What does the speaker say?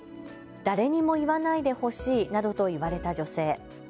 誰にも言わないでほしいなどと言われた女性。